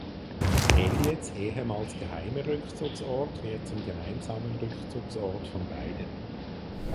Elliots ehemals geheimer Rückzugsort wird zum gemeinsamen Rückzugsort von beiden.